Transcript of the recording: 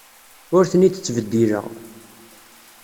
Ur ten-id-ttbeddileɣ.